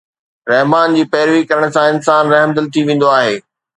رحمان جي پيروي ڪرڻ سان انسان رحمدل ٿي ويندو آهي.